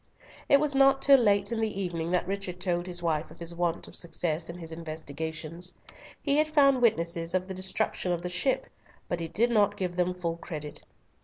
It was not till late in the evening that Richard told his wife of his want of success in his investigations. He had found witnesses of the destruction of the ship, but he did not give them full credit.